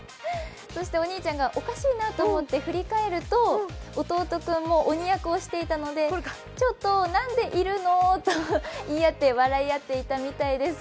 お兄ちゃんがおかしいなと思って振り返ると弟君も鬼役をしていたので、ちょっとぉ、何でいるのって言い合って笑っていたそうです。